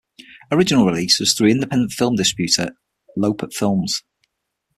Original release was through independent film distributor Lopert Films.